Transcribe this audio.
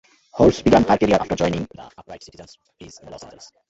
Holt began her career after joining the Upright Citizens Brigade in Los Angeles.